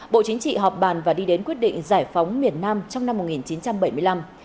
bộ chính trị họp bàn và đi đến quyết định giải phóng miền nam trong năm một nghìn chín trăm bảy mươi năm